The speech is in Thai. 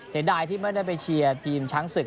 เสียดายที่ไม่ได้ไปเชียร์ทีมช้างศึก